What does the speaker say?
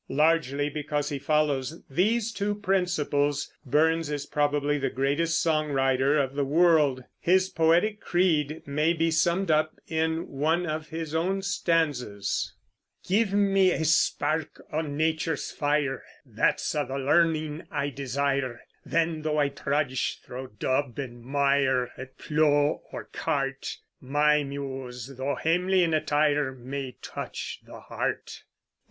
Largely because he follows these two principles, Burns is probably the greatest song writer of the world. His poetic creed may be summed up in one of his own stanzas: Give me ae spark o' Nature's fire, That's a' the learning I desire; Then, though I trudge thro' dub an' mire At pleugh or cart, My Muse, though hamely in attire, May touch the heart.